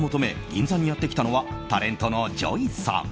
銀座にやってきたのはタレントのＪＯＹさん。